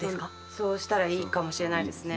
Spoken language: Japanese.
そうしたらいいかもしれないですね。